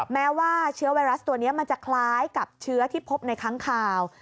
แม้ว่าเชื้อไวรัสตัวนี้มันจะคล้ายกับเชื้อที่พบในค้างคาว